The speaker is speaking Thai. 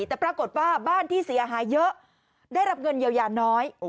แต่ปรากฏว่าบ้านที่เสียหายเยอะได้รับเงินเยียวยาน้อย